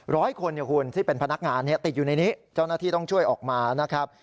ร้อยคนเนี่ยคุณที่เป็นพนักงานติดอยู่ในนี้เจ้าหน้าที่ต้องช่วยออกมานะครับ